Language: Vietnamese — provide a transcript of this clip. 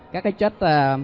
các cái chất